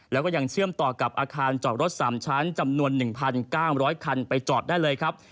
แล้วก็ยังเชื่อมต่อกับอาคารจอดรถ๓ชั้นจำนวน๑๙๐๐คันไปจอดได้เลยครับ